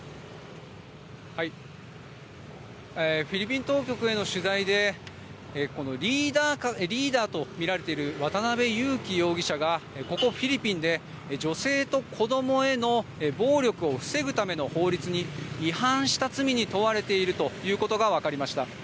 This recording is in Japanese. フィリピン当局への取材でリーダーとみられている渡邉優樹容疑者がここフィリピンで女性と子供への暴力を防ぐための法律に違反した罪に問われているということが分かりました。